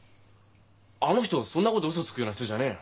あの人そんなことウソつくような人じゃねえよ。